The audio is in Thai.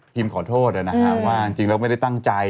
ขอโทษนะฮะว่าจริงแล้วไม่ได้ตั้งใจ